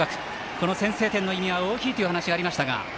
この先制点の意味は大きいという話がありました。